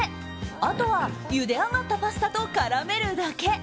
あとは、ゆで上がったパスタと絡めるだけ。